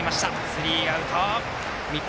スリーアウト。